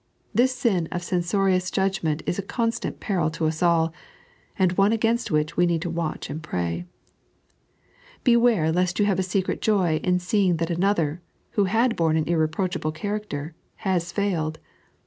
This sin of censorious judgment is a constant peril to us all, and one against which we need to watch and pray. Beware lest you have a secret joy in seeing that another, who had borne an irreproachable character, has failed